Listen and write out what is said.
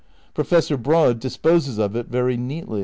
Professor Broad disposes of it very neatly.